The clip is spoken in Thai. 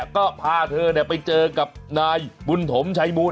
ก็พาเธอไปเจอกับนายบุญถมชัยมูล